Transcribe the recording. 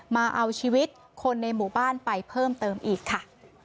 มาเอาชีวิตคนในหมู่บ้านไปเพิ่มเติมอีกค่ะ